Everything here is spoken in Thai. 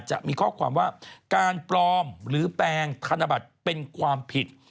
จะมีข้อความว่าการปลอมหรือแปลงธนบัตรเป็นความผิด